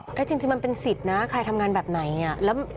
แต่จริงมันเป็นสิทธิ์นะใครทำงานแบบไหนขนาดนี้